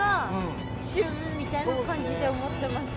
みたいな感じで思ってました。